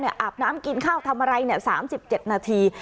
อาบน้ำกินข้าวทำอะไร๓๗นาที